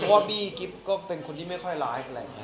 เพราะว่าบีกิฟต์ก็เป็นคนที่ไม่ค่อยไลฟ์แหละ